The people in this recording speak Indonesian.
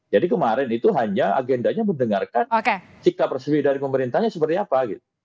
jadi kemarin itu hanya agendanya mendengarkan sikap resmi dari pemerintahnya seperti apa gitu